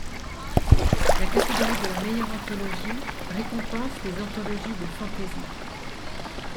La catégorie de la meilleure anthologie récompense les anthologies de fantasy.